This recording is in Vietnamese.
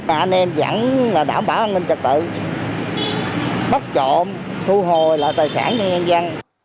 anh em vẫn đảm bảo an ninh trật tự bắt trộm thu hồi lại tài sản cho nhân dân